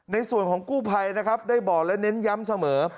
ในส่วนของกู้ภัยนะครับได้บอกและเน้นย้ำเสมอ